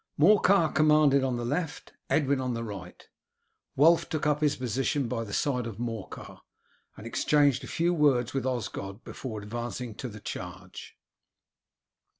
Morcar commanded on the left, Edwin on the right. Wulf took up his position by the side of Morcar, and exchanged a few words with Osgod before advancing to the charge.